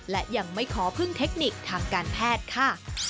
และยังไม่ขอพึ่งเทคนิคทางการแพทย์ค่ะ